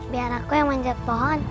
biar aku yang manjat pohon